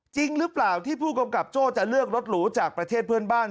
จริงหรือเปล่าที่ผู้กำกับโจ้จะเลือกรถหรูจากประเทศเพื่อนบ้าน